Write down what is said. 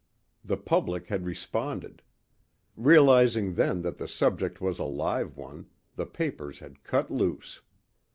The public had responded. Realizing then that the subject was a live one, the papers had cut loose.